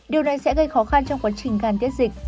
điều này sẽ gây khó khăn trong quá trình gan tiết dịch